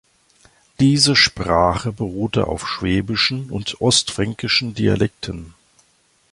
Diese Sprache beruhte auf schwäbischen und ostfränkischen Dialekten.